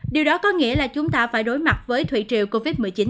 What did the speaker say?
điều đó có nghĩa là chúng ta phải đối mặt với thủy triều covid một mươi chín